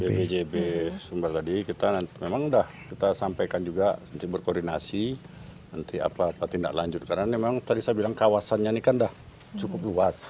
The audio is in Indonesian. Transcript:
bpjb sumber tadi kita memang sudah kita sampaikan juga nanti berkoordinasi nanti apa tindak lanjut karena memang tadi saya bilang kawasannya ini kan dah cukup luas